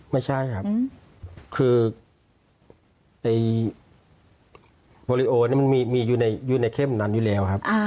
ไม่ใช่ครับคือในโพลิโอนี่มันมีอยู่ในเข้มนั้นอยู่แล้วครับ